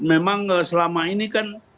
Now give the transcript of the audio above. memang selama ini kan